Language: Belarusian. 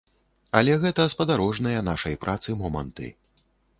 Але гэта спадарожныя нашай працы моманты.